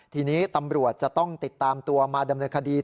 ทีนี้ตำรวจจะต้องติดตามตัวมาดำเนินคดี